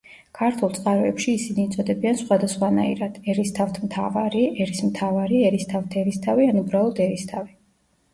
ქართულ წყაროებში ისინი იწოდებიან სხვადასხვანაირად: ერისთავთ მთავარი, ერისმთავარი, ერისთავთ-ერისთავი ან უბრალოდ ერისთავი.